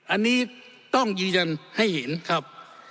อันนี้ต้องยืนยันให้เห็นครับ